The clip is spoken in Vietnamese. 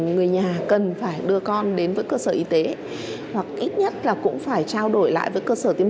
người nhà cần phải đưa con đến với cơ sở y tế hoặc ít nhất là cũng phải trao đổi lại với cơ sở tiêm